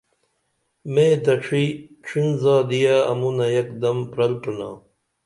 مے دڇھی ڇِھن زادیہ اموںہ ایک دم پرل پرینا